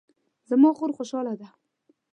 زما خور خوشحاله ده